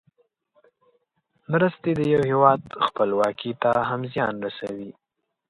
مرستې د یو هېواد خپلواکۍ ته هم زیان رسوي.